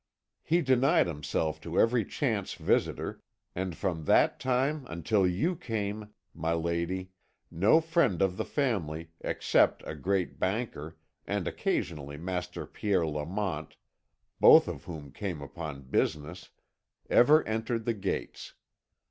He denied himself to every chance visitor, and from that time until you came, my lady, no friend of the family, except a great banker, and occasionally Master Pierre Lamont, both of whom came upon business, ever entered the gates.